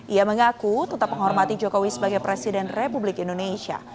ia mengaku tetap menghormati jokowi sebagai presiden republik indonesia